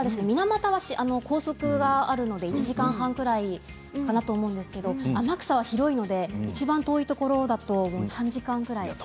水俣や高速があるので１時間半ぐらいかなと思うんですけど天草が広いのでいちばん遠いところだと３時間ぐらい。